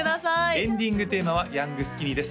エンディングテーマはヤングスキニーです